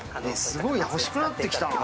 すごいな欲しくなってきたなあ。